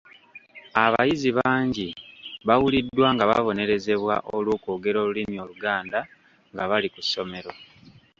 Abayizi bangi bawuliddwa nga babonerezebwa olw’okwogera olulimi Oluganda nga bali ku ssomero.